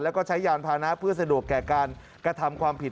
แล้วก็ใช้ยานพานะเพื่อสะดวกแก่การกระทำความผิด